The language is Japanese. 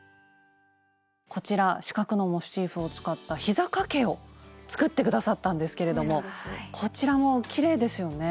こちら四角のモチーフを使ったひざかけを作って下さったんですけれどもこちらもきれいですよね。